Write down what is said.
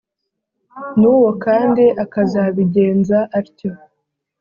n’uwo kandi akazabigenza atyo,